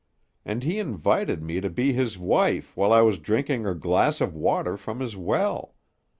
And he invited me to be his wife while I was drinking a glass of water from his well.